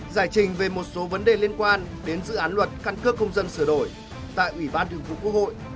giải trình về một số vấn đề liên quan đến dự án luật căn cước công dân sửa đổi tại ủy ban thường vụ quốc hội